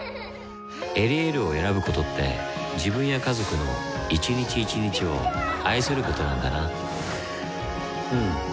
「エリエール」を選ぶことって自分や家族の一日一日を愛することなんだなうん。